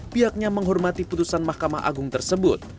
pihaknya menghormati putusan mahkamah agung tersebut